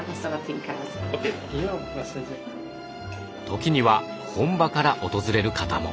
時には本場から訪れる方も。